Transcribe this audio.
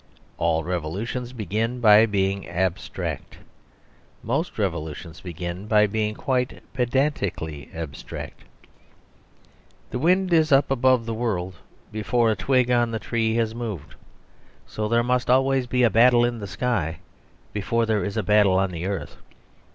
All revolutions began by being abstract. Most revolutions began by being quite pedantically abstract. The wind is up above the world before a twig on the tree has moved. So there must always be a battle in the sky before there is a battle on the earth.